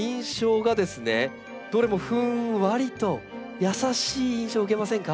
どれもふんわりと優しい印象を受けませんか？